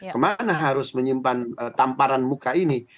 kemana harus menyimpan tamparan muka ini